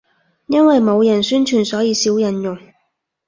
因為冇人宣傳，所以少人用